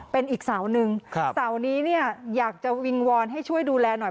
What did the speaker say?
เป็นอีกเสาหนึ่งเสานี้เนี่ยอยากจะวิงวอนให้ช่วยดูแลหน่อย